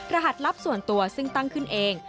รหัสลับส่วนตัวซึ่งตั้งขึ้นเอง